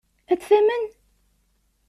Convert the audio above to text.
Ad t-tamen?